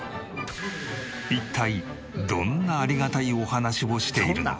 一体どんなありがたいお話をしているのか？